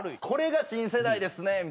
「これが新世代ですね」